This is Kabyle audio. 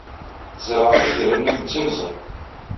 Tzerɛeḍ iger-nnem d timẓin.